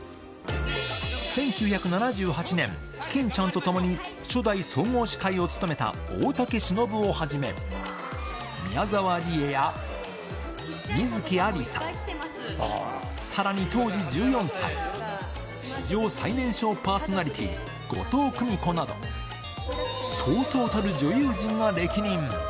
１９７８年、欽ちゃんと共に初代総合司会を務めた大竹しのぶをはじめ、宮沢りえや、観月ありさ、さらに、当時１４歳、史上最年少パーソナリティー、後藤久美子など、そうそうたる女優陣が歴任。